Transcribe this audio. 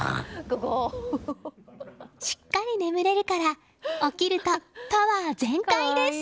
しっかり眠れるから起きるとパワー全開です。